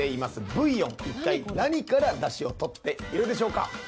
ブイヨン一体何からダシを取っているでしょうか？